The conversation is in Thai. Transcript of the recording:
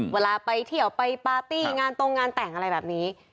เวลาไปเที่ยวไปปาร์ตี้งานตรงงานแต่งอะไรแบบนี้